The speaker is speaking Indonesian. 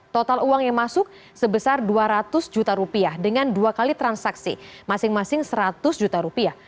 total uang yang masuk sebesar dua ratus juta rupiah dengan dua kali transaksi masing masing seratus juta rupiah